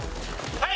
はい！